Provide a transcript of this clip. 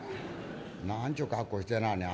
何ちゅう格好してなはんねん。